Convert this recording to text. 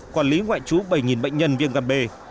quản lý ngoại trú bảy bệnh nhân viêm gan b